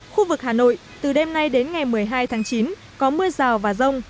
khu vực hà nội từ đêm nay đến ngày một mươi hai tháng chín có mưa rào và rông